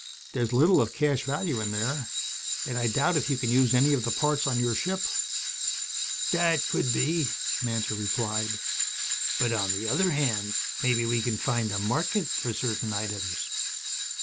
There's little of cash value in there. And I doubt if you can use any of the parts on your ship." "That could be," Mantor replied. "But on the other hand, maybe we can find a market for certain items."